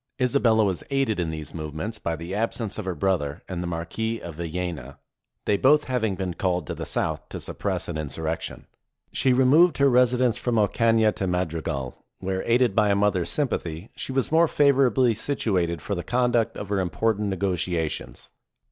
Isabella was aided in these movements by the absence of her brother and the Marquis of Villena, they both having been called to the south to suppress an insurrection. She removed her residence from Ocana to Madrigal, where, aided by a mother's sympathy, she was more favorably situated for the conduct of her im portant negotiations.